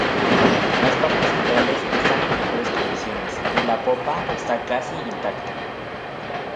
Las partes centrales están en mejores condiciones y la popa está casi intacta.